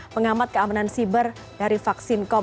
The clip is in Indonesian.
pengamat keamanan siber dari vaksin com